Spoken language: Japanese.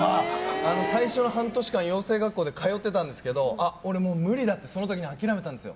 最初の半年間養成学校で習ってたんですけど無理だ！ってなってその時に諦めたんですよ。